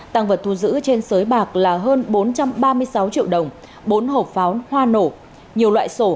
tăng vật thu giữ trên sới bạc là hơn bốn trăm ba mươi sáu triệu đồng bốn hộp pháo hoa nổ nhiều loại sổ